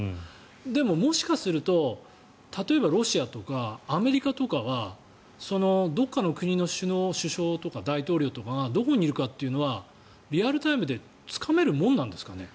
でも、もしかすると例えばロシアとかアメリカとかはどこかの国の首相とか大統領とかがどこにいるかというのはリアルタイムでつかめるものなんですかね。